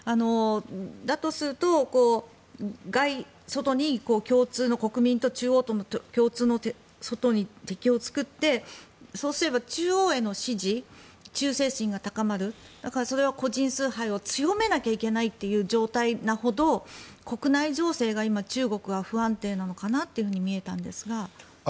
だとすると外に国民と共通の外に敵を作ってそうすれば中央への支持忠誠心が高まるそれを、個人崇拝を強めなきゃいけない状態なほど国内情勢が今、中国は不安定なのかなと見えたんですがどうでしょう。